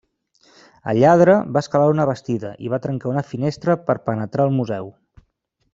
El lladre va escalar una bastida i va trencar una finestra per penetrar al museu.